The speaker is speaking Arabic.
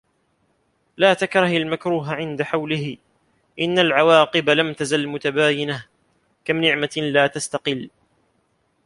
لَا تَكْرَهْ الْمَكْرُوهَ عِنْدَ حَوْلِهِ إنَّ الْعَوَاقِبَ لَمْ تَزَلْ مُتَبَايِنَهْ كَمْ نِعْمَةٍ لَا تَسْتَقِلُّ